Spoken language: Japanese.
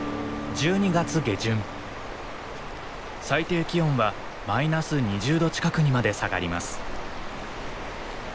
最低気温はマイナス２０℃近くにまで下がります。